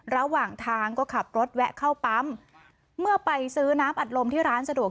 ระหว่างทางก็ขับรถแวะเข้าปั๊มเมื่อไปซื้อน้ำอัดลมที่ร้านสะดวก